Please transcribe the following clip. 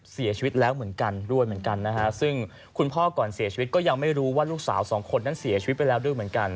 เสียชีวิตแล้วเหมือนกันด้วยเหมือนกันนะฮะซึ่งคุณพ่อก่อนเสียชีวิตก็ยังไม่รู้ว่าลูกสาวสองคนนั้นเสียชีวิตไปแล้วด้วยเหมือนกัน